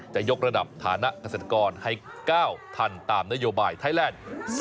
จะยกระดับฐานะเกษตรกรให้๙ทันตามนโยบายไทยแลนด์